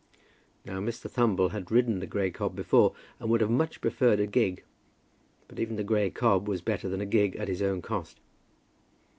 Now, Mr. Thumble had ridden the grey cob before, and would much have preferred a gig. But even the grey cob was better than a gig at his own cost.